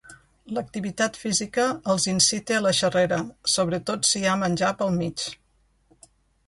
L'activitat física els incita a la xerrera, sobretot si hi ha menjar pel mig.